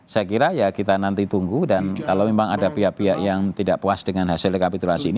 saya kira ya kita nanti tunggu dan kalau memang ada pihak pihak yang tidak puas dengan hasil rekapitulasi ini